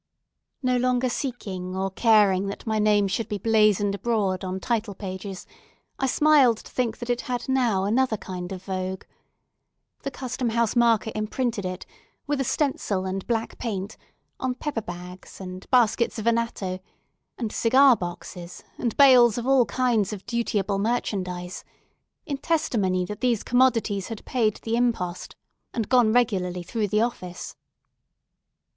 No longer seeking nor caring that my name should be blasoned abroad on title pages, I smiled to think that it had now another kind of vogue. The Custom House marker imprinted it, with a stencil and black paint, on pepper bags, and baskets of anatto, and cigar boxes, and bales of all kinds of dutiable merchandise, in testimony that these commodities had paid the impost, and gone regularly through the office.